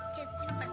jep jep jep